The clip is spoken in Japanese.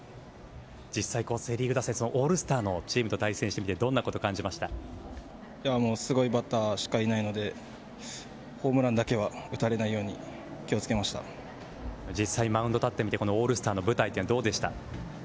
実際セ・リーグ打線オールスターのチームと対戦してすごいバッターしかいないのでホームランだけは打たれないように実際にマウンドに立ってみてオールスターの舞台はどうでした？